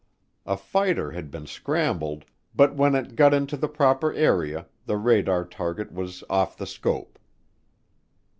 A fighter had been scrambled, but when it got into the proper area, the radar target was off the scope.